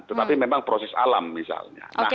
tetapi memang proses alam misalnya